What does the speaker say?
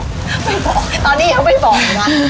ไม่บอกตอนนี้ยังไม่บอกหรอ